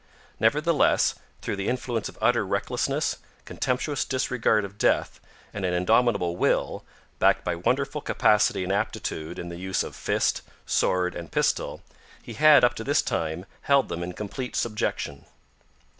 Nevertheless, through the influence of utter recklessness, contemptuous disregard of death, and an indomitable will, backed by wonderful capacity and aptitude in the use of fist, sword, and pistol, he had up to this time held them in complete subjection.